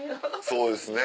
そうですね